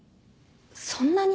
そんなに？